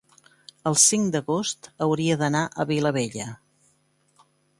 el cinc d'agost hauria d'anar a Vilabella.